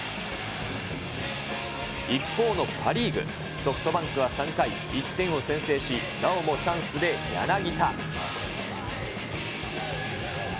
一方のパ・リーグ、ソフトバンクは３回、１点を先制し、なおもチャンスで柳田。